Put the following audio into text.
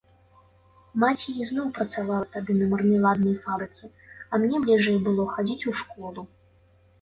Маці ізноў працавала тады на мармеладнай фабрыцы, а мне бліжэй было хадзіць у школу.